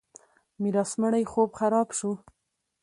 میرات مړی خوب خراب شو.